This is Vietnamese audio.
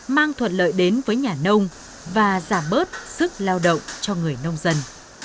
mang thuận lợi đến với nhà nông và giảm bớt sức lao động cho người nông dân